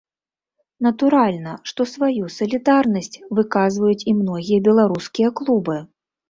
Натуральна, што сваю салідарнасць выказваюць і многія беларускія клубы.